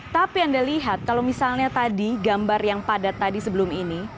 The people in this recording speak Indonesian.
tapi anda lihat kalau misalnya tadi gambar yang padat tadi sebelum ini